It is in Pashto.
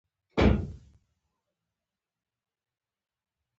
دنیا ته د کتلو بڼه درېیم محور دی.